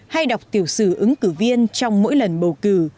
hay đọc tiểu sử ứng cử viên trong mỗi lần bầu cử